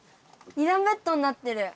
２だんベッドになってる！